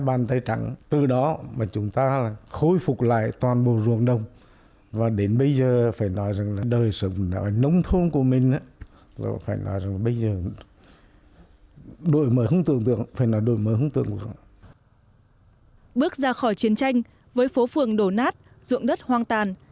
bước ra khỏi chiến tranh với phố phường đổ nát ruộng đất hoang tàn